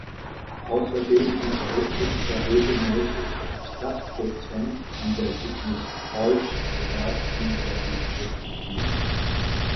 Außerdem unterrichtet er regelmäßig als Gastdozent an der Sigmund Freud Privatuniversität in Wien.